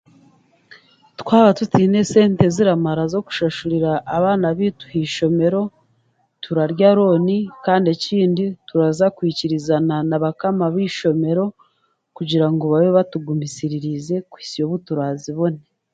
Twaba tutaine sente eziramara ez'okushashurira abaana baitu haishomero, turarya rooni, kandi ekindi, turaza kwikirizana na bakama baishomero kugira ngu babe batugumisiriize kuhisya obu turaazibone.